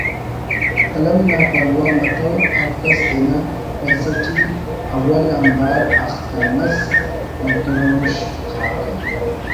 قلم نا پرواہ متو ہر کس تینا پیشہ ٹی اول آنبار اختہ مس دروش (خاکہ)